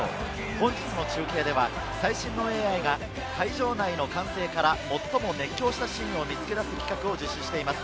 本日の中継では最新のＡＩが会場内の歓声から最も熱狂したシーンを見つけ出す企画を実施しています。